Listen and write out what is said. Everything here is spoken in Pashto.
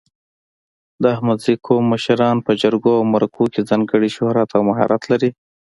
د احمدزي قوم مشران په جرګو او مرکو کې ځانګړی شهرت او مهارت لري.